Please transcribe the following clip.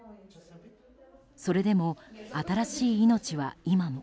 それでも、新しい命は今も。